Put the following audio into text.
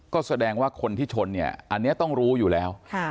ก็แสดงว่าคนที่ชนเนี่ยอันนี้ต้องรู้อยู่แล้ว